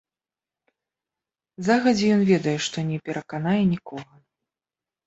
Загадзе ён ведае, што не пераканае нікога.